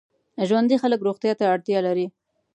ژوندي خلک روغتیا ته اړتیا لري